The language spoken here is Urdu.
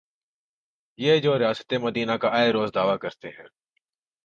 یہ جو ریاست مدینہ کا آئے روز دعوی کرتے ہیں۔